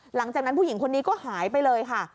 หลังจากนั้นผู้หญิงคนนี้ก็หายไปเลยค่ะ